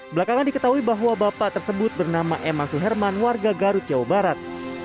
belakangan diketahui bahwa bapak tersebut bernama emma suherman warga garut jawa barat